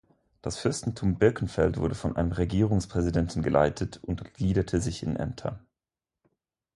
Das Fürstentum Birkenfeld wurde von einem Regierungspräsidenten geleitet und gliederte sich in Ämter.